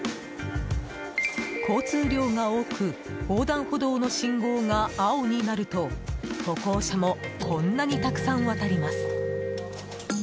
交通量が多く横断歩道の信号が青になると歩行者もこんなにたくさん渡ります。